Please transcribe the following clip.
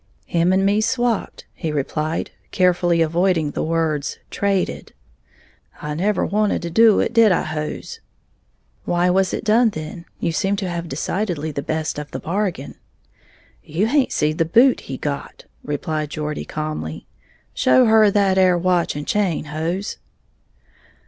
"Him and me's swapped," he replied, carefully avoiding the word "traded"; "I never wanted to do it, did I, Hose?" "Why was it done, then, you seem to have decidedly the best of the bargain." "You haint seed the boot he got," replied Geordie, calmly. "Show her that 'ere watch and chain, Hose."